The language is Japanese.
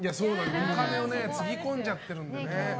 お金をつぎ込んじゃっているんですよね。